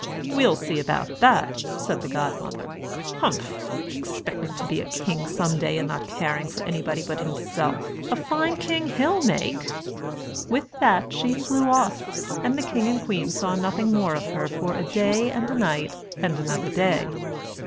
"We'll see about that," said the godmother. "Humph, expecting to be a king some day and not caring for anybody but himself a fine king he'll make!" With that she flew off, and the king and queen saw nothing more of her for a day and a night and another day.